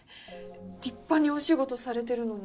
立派にお仕事されてるのに。